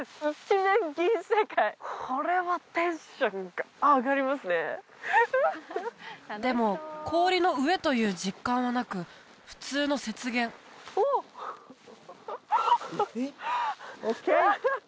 一面銀世界これはテンションが上がりますねでも氷の上という実感はなく普通の雪原おおオーケー？